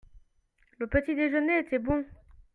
Le petit-déjeuner était bon.